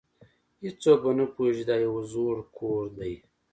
هیڅوک به نه پوهیږي چې دا یو زوړ کور دی